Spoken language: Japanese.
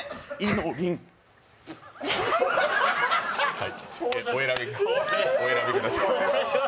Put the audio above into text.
はい、お選びください。